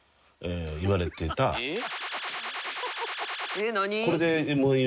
えっ何？